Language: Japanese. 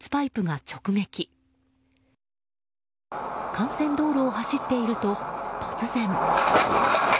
幹線道路を走っていると、突然。